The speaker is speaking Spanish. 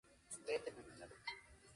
La liebre de Smith es solitaria y nocturna.